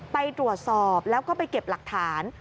ไปตรวจสอบแล้วก็ไปเก็บหลักฐาน